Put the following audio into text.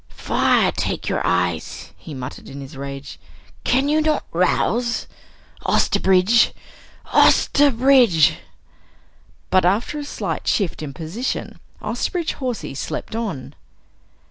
Fire take your eyes!" he muttered in his rage, "can you not rouse? Osterbridge! Osterbridge!" But after a slight shift in position, Osterbridge Hawsey slept on.